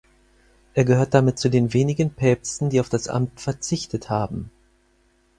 Er gehört damit zu den wenigen Päpsten, die auf das Amt verzichtet haben.